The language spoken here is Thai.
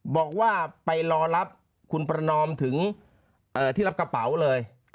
บอกว่าไปรอรับคุณประนอมถึงที่รับกระเป๋าเลย